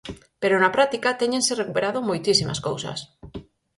Pero na práctica téñense recuperado moitísimas cousas.